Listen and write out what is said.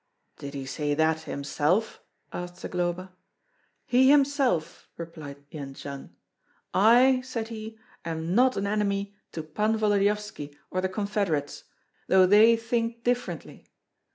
"Did he say that himself?" asked Zagloba. "He himself," replied Jendzian. "'I,' said he, 'am not an enemy to Pan Volodyovski or the confederates, though they think differently.